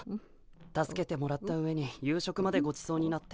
助けてもらったうえに夕食までごちそうになって。